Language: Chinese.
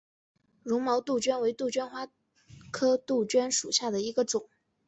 绒毛杜鹃为杜鹃花科杜鹃属下的一个种。